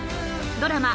ドラマ